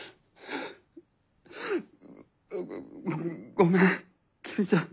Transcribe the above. ごめん公ちゃん。